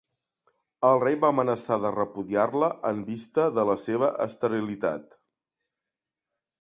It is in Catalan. El rei va amenaçar de repudiar-la en vista de la seva esterilitat.